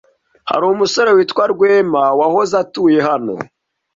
Hari umusore witwa Rwema wahoze atuye hano.